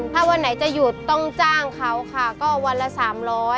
ถ้าวันไหนจะหยุดต้องจ้างเขาค่ะก็วันละ๓๐๐